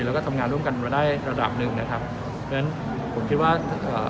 แล้วก็ทำงานร่วมกันมาได้ระดับหนึ่งนะครับเพราะฉะนั้นผมคิดว่าเอ่อ